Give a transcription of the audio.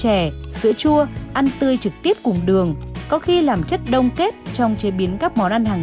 chè sữa chua ăn tươi trực tiếp cùng đường có khi làm chất đông kết trong chế biến các món ăn hàng